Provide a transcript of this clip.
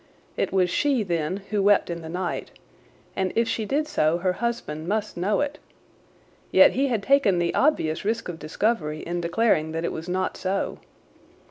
It was she, then, who wept in the night, and if she did so her husband must know it. Yet he had taken the obvious risk of discovery in declaring that it was not so.